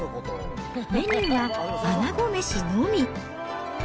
メニューはあなごめしのみ。